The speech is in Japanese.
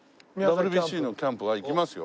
ＷＢＣのキャンプは行きますよ。